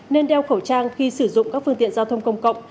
nên đeo khẩu trang khi sử dụng các phương tiện giao thông công cộng